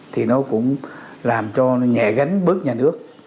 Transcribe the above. thì nó cũng làm cho nó nhẹ gánh bớt nhà nước